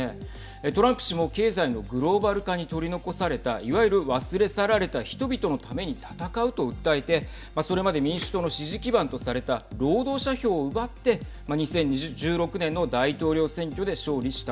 トランプ氏も経済のグローバル化に取り残されたいわゆる忘れ去られた人々のために闘うと訴えてそれまで民主党の支持基盤とされた労働者票を奪って２０１６年の大統領選挙ではい。